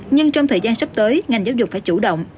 nhưng trong thời gian sắp tới ngành giáo dục phải chủ động